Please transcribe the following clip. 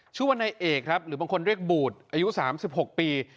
ชื่อว่าในเอกครับหรือบางคนเรียกบูดอายุสามสิบหกปี